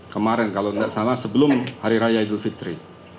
kemarin kalau tidak salah sebelum hari raya idul fitri